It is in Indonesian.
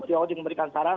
dia juga memberikan saran